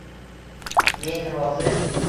Men rozi.